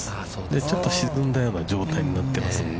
ちょっと沈んだような状態になってますので。